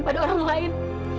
kepada orang lain